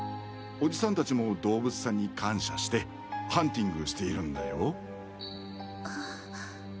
おじさん達も動物さんに感謝してハンティングしているんだよ。